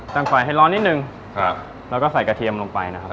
ตั้งไฟให้ร้อนนิดนึงครับแล้วก็ใส่กระเทียมลงไปนะครับ